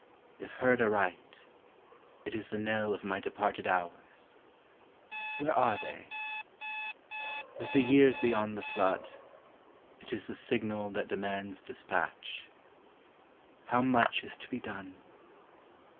If heard aright, It is the knell of my departed hours ; Where are they ? With the years beyond the flood. It is the signal that demands despatch ; How much is to be done